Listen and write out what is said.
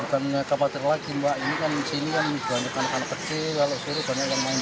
harapannya apa nih pak